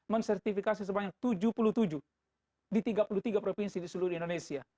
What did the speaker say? mensertifikasi sebanyak tujuh puluh tujuh di tiga puluh tiga provinsi di seluruh indonesia